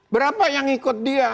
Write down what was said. berapa yang ikut dia